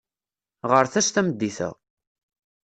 Ɣret-as tameddit-a.